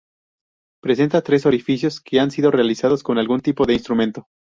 Presenta tres orificios que han sido realizados con algún tipo de instrumento.